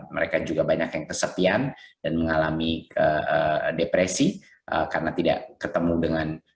mereka juga banyak yang kesepian dan mengalami depresi karena tidak ketemu dengan